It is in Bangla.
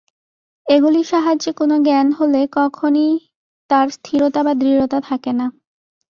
এগুলির সাহায্যে কোন জ্ঞান হলে কখনই তার স্থিরতা বা দৃঢ়তা থাকে না।